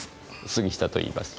杉下と言います。